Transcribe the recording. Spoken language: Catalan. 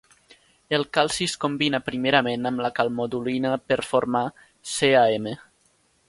El calci es combina primerament amb la calmodulina per formar CaM.